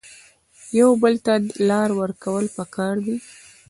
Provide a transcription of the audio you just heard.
یو بل ته لار ورکول پکار دي